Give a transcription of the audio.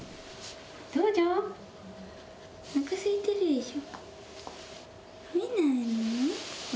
どうぞおなかすいてるでしょ。